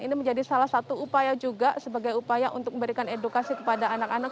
ini menjadi salah satu upaya juga sebagai upaya untuk memberikan edukasi kepada anak anak